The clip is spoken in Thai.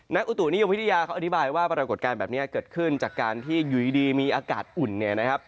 อุตุนิยมวิทยาเขาอธิบายว่าปรากฏการณ์แบบนี้เกิดขึ้นจากการที่อยู่ดีมีอากาศอุ่นเนี่ยนะครับ